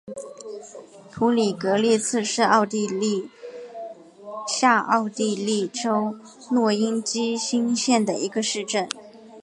普里格利茨是奥地利下奥地利州诺因基兴县的一个市镇。